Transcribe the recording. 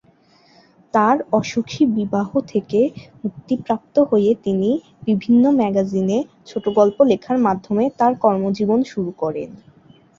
তার অসুখী বিবাহ থেকে মুক্তিপ্রাপ্ত হয়ে তিনি বিভিন্ন ম্যাগাজিনে ছোটগল্প লেখার মাধ্যমে তার কর্মজীবন শুরু করেন।